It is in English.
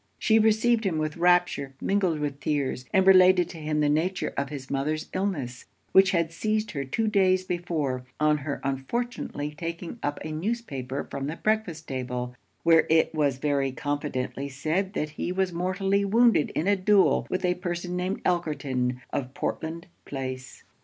She received him with rapture mingled with tears; and related to him the nature of his mother's illness, which had seized her two days before, on her unfortunately taking up a newspaper from the breakfast table, where it was very confidently said that he was mortally wounded in a duel with a person named Elkerton, of Portland Place.